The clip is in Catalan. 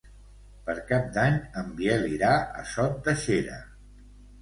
Per Cap d'Any en Biel irà a Sot de Xera.